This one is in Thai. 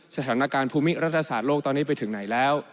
สถานการณ์ภูมิรัฐศาสตร์โลกตอนนี้ไปถึงไหนแล้ว